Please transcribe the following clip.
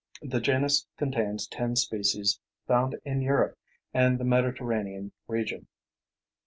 The genus contains ten species found in Europe and the Mediterranean region.